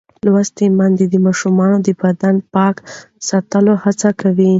لوستې میندې د ماشومانو د بدن پاک ساتلو هڅه کوي.